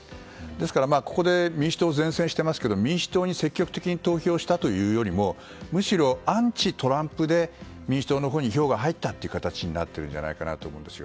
ですから、ここで民主党が善戦していますけれども民主党に積極的に投票したというよりもむしろアンチトランプで民主党に票が入ったほうになっているかと思います。